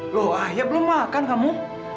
loh ayah belum makan kamu